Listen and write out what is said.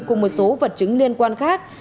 cùng một số vật chứng liên quan khác